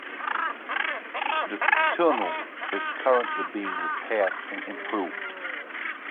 The tunnel is currently being repaired and improved.